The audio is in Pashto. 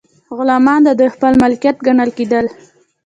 غلامان د دوی خپل مالکیت ګڼل کیدل.